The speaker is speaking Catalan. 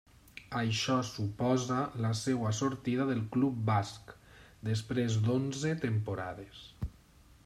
Això suposa la seua sortida del club basc, després d'onze temporades.